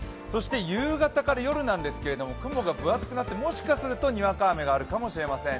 夕方から夜ですが雲が分厚くなってもしかするとにわか雨があるかもしれません。